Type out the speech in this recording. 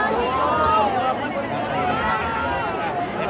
สวัสดีครับ